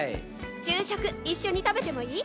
昼食一緒に食べてもいい？